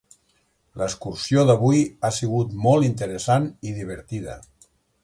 L'excursió d'avui ha sigut molt interessant i divertida.